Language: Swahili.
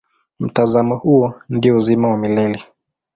Mtazamo huo ndio uzima wa milele.